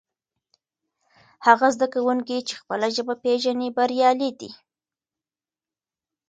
هغه زده کوونکی چې خپله ژبه پېژني بریالی دی.